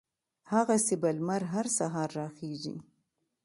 هغسې به لمر هر سهار را خېژي